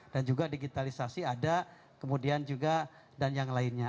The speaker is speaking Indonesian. dan juga digitalisasi ada kemudian juga dan yang lainnya